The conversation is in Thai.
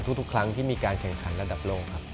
ทุกครั้งที่มีการแข่งขันระดับโลกครับ